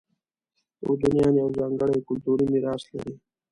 اردنیان یو ځانګړی کلتوري میراث لري.